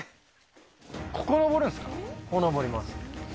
ここを登ります。